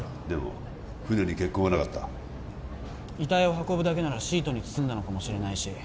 でも船に血痕はなかった遺体を運ぶだけならシートに包んだのかもしれないし